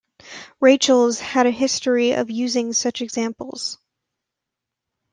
Rachels had a history of using such examples.